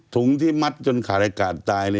ถุงที่มัดจนขาดอากาศตาย